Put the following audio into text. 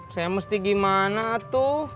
saya mesti gimana tuh